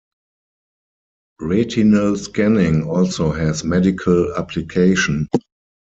Retinal scanning also has medical application.